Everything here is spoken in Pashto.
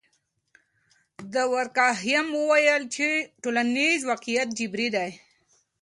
دورکهایم وویل چې ټولنیز واقعیت جبري دی.